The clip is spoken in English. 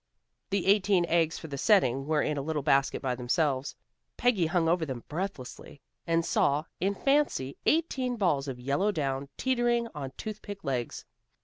The eighteen eggs for the setting were in a little basket by themselves. Peggy hung over them breathlessly, and saw in fancy eighteen balls of yellow down, teetering on toothpick legs.